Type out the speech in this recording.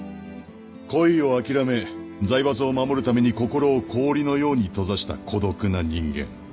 恋を諦め財閥を守るために心を氷のように閉ざした孤独な人間。